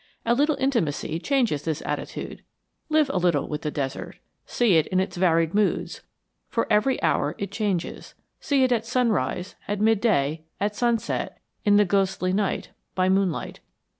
A little intimacy changes this attitude. Live a little with the desert. See it in its varied moods for every hour it changes; see it at sunrise, at midday, at sunset, in the ghostly night, by moonlight.